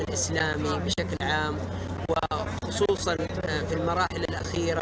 di peringkat terakhir dan di peringkat terakhir